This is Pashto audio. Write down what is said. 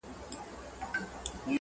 او دا خوب او دا شعر